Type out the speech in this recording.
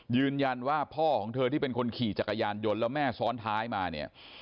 ยืนยันว่าพ่อของเธอที่เป็นคนขี่จักรยานยนต์แล้วแม่ซ้อนท้ายมาเนี่ย